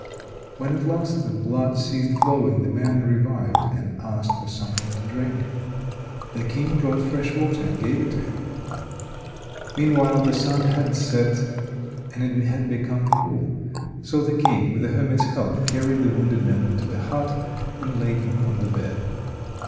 When at last the blood ceased flowing, the man revived and asked for something to drink. The King brought fresh water and gave it to him. Meanwhile the sun had set, and it had become cool. So the King, with the hermit's help, carried the wounded man into the hut and laid him on the bed.